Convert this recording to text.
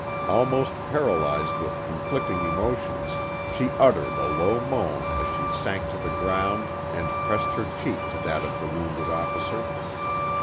Almost paralyzed with conflicting emotions, she uttered a low moan as she sank to the ground and pressed her cheek to that of the wounded officer.